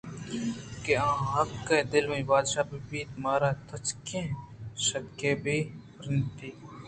کہ آ حقّ ءُ دل مئے بادشاہ بہ بیت ءُ مارا تچکیں کشکے ءَبِہ پِرّینیت